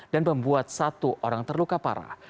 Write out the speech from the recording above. dan membuat satu orang terluka parah